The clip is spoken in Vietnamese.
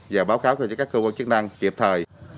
và báo cáo cho các cơ quan chức năng kịp thời